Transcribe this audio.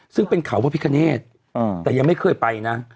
ซึ่งเป็นเขาพระพิคเนธแต่ยังไม่เคยไปนะ